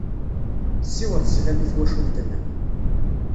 Ssiweḍ sslam i twacult-nnem.